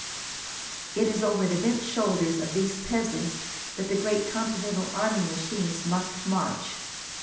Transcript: It is over the bent shoulders of these peasants that the great Continental army machines must march.